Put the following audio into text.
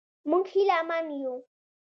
موږ هیله من یو.